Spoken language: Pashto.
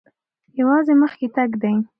یوازې مخکې تګ دی.